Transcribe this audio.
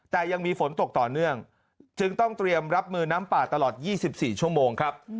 แต่ยังมีฝนตกต่อเนื่องจึงต้องเตรียมรับมือน้ำป่าตลอด๒๔ชั่วโมงครับ